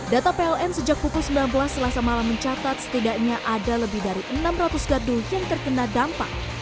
data pln sejak pukul sembilan belas selasa malam mencatat setidaknya ada lebih dari enam ratus gardu yang terkena dampak